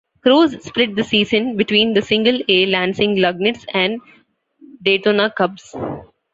Cruz split the season between the Single-A Lansing Lugnuts and Daytona Cubs.